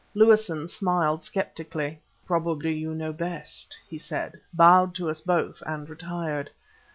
Lewison smiled skeptically. "Probably you know best," he said, bowed to us both, and retired.